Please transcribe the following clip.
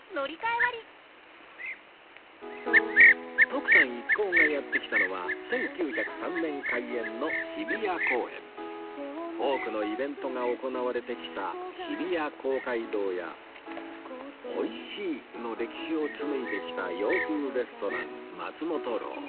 徳さん一行がやって来たのは多くのイベントが行われてきた日比谷公会堂や「美味しい」の歴史を紡いできた洋風レストラン松本楼